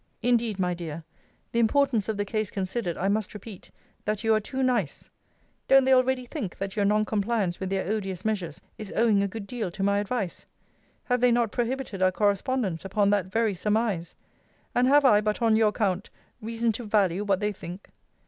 Indeed, my dear, the importance of the case considered, I must repeat, that you are too nice. Don't they already think that your non compliance with their odious measures is owing a good deal to my advice? Have they not prohibited our correspondence upon that very surmise? And have I, but on your account, reason to value what they think?